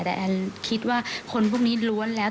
แต่แอนคิดว่าคนพวกนี้ล้วนแล้ว